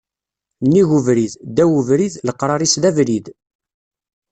Nnig ubrid, ddaw ubrid, leqrar-is d abrid